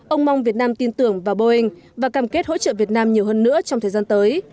ông mong việt nam tin tưởng vào boeing và cam kết hỗ trợ việt nam nhiều hơn nữa trong thời gian tới